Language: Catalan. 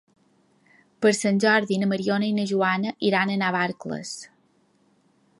Per Sant Jordi na Mariona i na Joana iran a Navarcles.